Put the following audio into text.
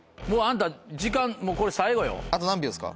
陣さんあと何秒ですか？